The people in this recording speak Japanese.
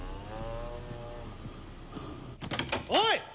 おい！